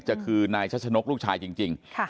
จะคือนายชัชนกลูกชายจริง